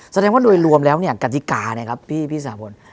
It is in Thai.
แสดงว่าโดยรวมแล้วเนี่ยกติกานะครับพี่สาพล